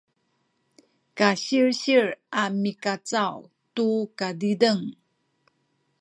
kasilsil a mikacaw tu kazizeng